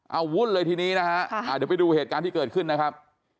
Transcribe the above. เอาวุ่นเลยทีนี้นะฮะเดี๋ยวไปดูเหตุการณ์ที่เกิดขึ้นนะครับ